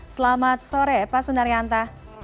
selamat sore pak sunaryanta